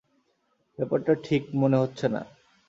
ব্যাপারটা ঠিক মনে হচ্ছে না।